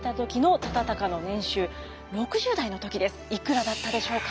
いくらだったでしょうか？